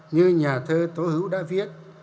như nhà thơ tố hữu đã viết